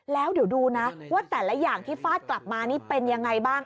แล้วเดี๋ยวดูนะว่าแต่ละอย่างที่ฟาดกลับมานี่เป็นยังไงบ้าง